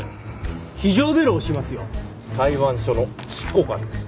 裁判所の執行官です。